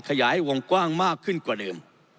ขยายวงกว้างมากขึ้นกว่าเดิม